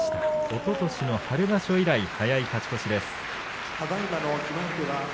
おととしの春場所以来の早い勝ち越しです。